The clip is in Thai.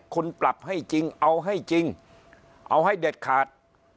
คุณปรับให้จริงเอาให้จริงเอาให้เด็ดขาด